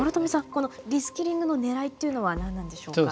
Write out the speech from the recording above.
このリスキリングのねらいっていうのは何なんでしょうか？